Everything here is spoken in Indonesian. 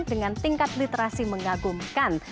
dengan tingkat literasi mengagumkan